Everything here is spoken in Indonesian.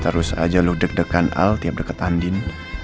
terus aja lu deg degan al tiap deket andin